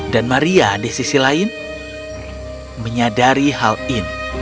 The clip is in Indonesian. dan maria di sisi lain menyadari hal ini